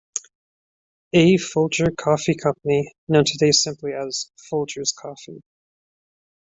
A. Folger Coffee Company, known today simply as Folgers Coffee.